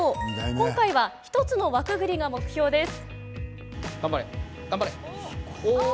今回は１つの輪くぐりが目標です。